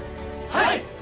はい！